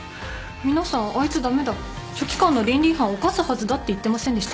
皆さん「あいつ駄目だ書記官の倫理違反犯すはずだ」って言ってませんでした？